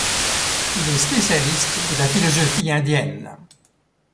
Il est spécialiste de la philosophie indienne.